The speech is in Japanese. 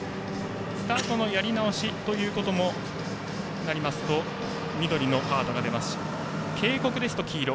スタートのやり直しとなりますと緑のカードが出ますし警告ですと黄色。